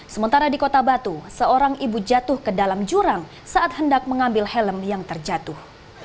sementara di kota batu seorang ibu jatuh ke dalam jurang saat hendak mengambil helm yang terjatuh